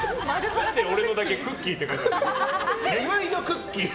何で俺のだけクッキーって書いてあるの。